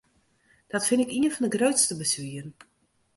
Dat fyn ik ien fan de grutste beswieren.